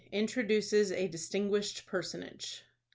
INTRODUCES A DISTINGUISHED PERSONAGE.